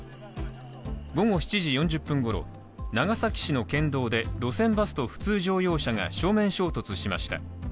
午後７時４０分ごろ、長崎市の県道で路線バスと普通乗用車が正面衝突しました。